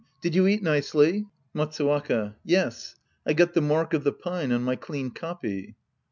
Did you eat nicely ? Jilatsuwaka. Yes. I got the mark of the pine on my clean copy.